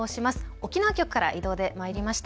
沖縄局から異動でまいりました。